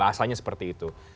bahasanya seperti itu